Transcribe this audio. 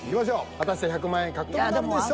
果たして１００万円獲得なるんでしょうか。